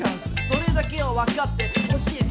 それだけは分かって欲しいッス！